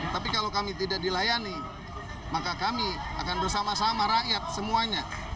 tapi kalau kami tidak dilayani maka kami akan bersama sama rakyat semuanya